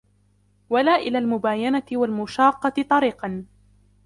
وَلَا إلَى الْمُبَايَنَةِ وَالْمُشَاقَّةِ طَرِيقًا